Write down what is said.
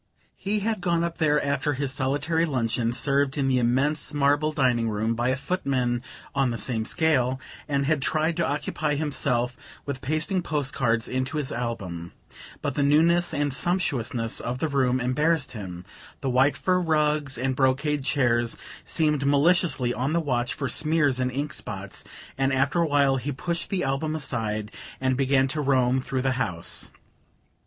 He had gone up there after his solitary luncheon, served in the immense marble dining room by a footman on the same scale, and had tried to occupy himself with pasting post cards into his album; but the newness and sumptuousness of the room embarrassed him the white fur rugs and brocade chairs seemed maliciously on the watch for smears and ink spots and after a while he pushed the album aside and began to roam through the house.